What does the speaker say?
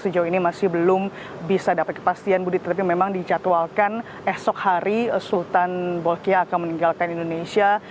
sejauh ini masih belum bisa dapat kepastian budi tapi memang dijadwalkan esok hari sultan bolkiah akan meninggalkan indonesia